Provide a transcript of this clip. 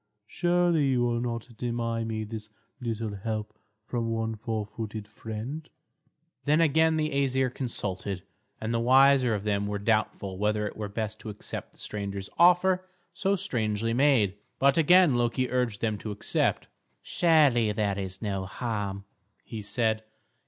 Surely, you will not deny me this little help, from one four footed friend." Then again the Æsir consulted, and the wiser of them were doubtful whether it were best to accept the stranger's offer so strangely made. But again Loki urged them to accept. "Surely, there is no harm," he said.